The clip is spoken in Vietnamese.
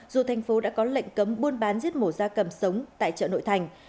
dù thành phố đã có lệnh cấm buôn bán giết mổ da cầm sống tại chợ nội thành